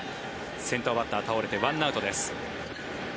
先頭バッター倒れて１アウトです。